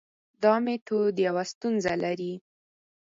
دا میتود یوه ستونزه لري.